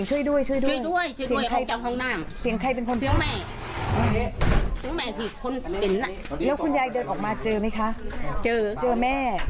อืม